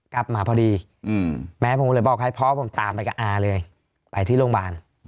กลับมาพอดีแม่ผมก็เลยบอกให้พ่อผมตามไปกับอาเลยไปที่โรงพยาบาล